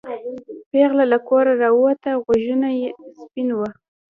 پېغله له کوره راووته غوږونه سپین وو.